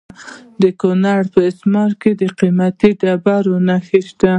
د کونړ په اسمار کې د قیمتي ډبرو نښې دي.